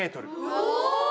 お！